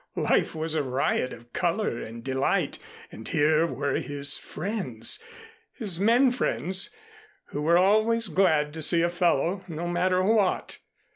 Life was a riot of color and delight and here were his friends his men friends who were always glad to see a fellow, no matter what.